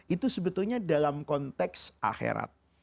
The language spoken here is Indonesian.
itu sebetulnya dalam konteks akhirat